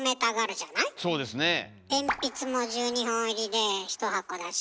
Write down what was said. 鉛筆も１２本入りで１箱だし。